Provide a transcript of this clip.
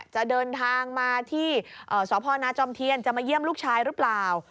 จะเดินทางมาที่สพนาจอมเทียนจะมาเยี่ยมลูกชายหรือเปล่า